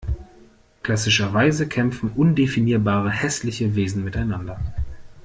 Klassischerweise kämpfen undefinierbare hässliche Wesen miteinander.